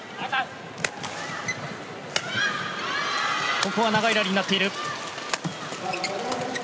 ここは長いラリーになっている。